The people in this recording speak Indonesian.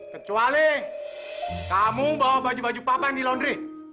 kecuali kamu bawa baju baju papa yang dilondri